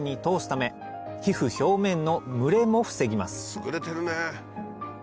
優れてるね。